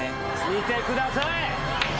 見てください！